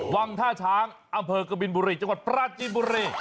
วังท่าช้างอำเภอกบินบุรีจังหวัดปราจีนบุรี